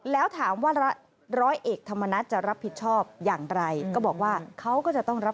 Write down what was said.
แล้วถามว่าร้อยเอกธรรมนัฏจะรับผิดชอบอย่างไร